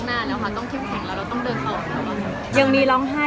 แต่ว่าตอนนี้คือเราต้องไปคลั้งหน้า